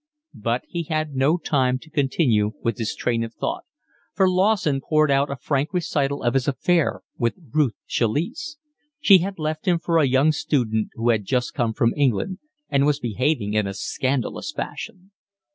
But he had no time to continue with this train of thought, for Lawson poured out a frank recital of his affair with Ruth Chalice. She had left him for a young student who had just come from England, and was behaving in a scandalous fashion.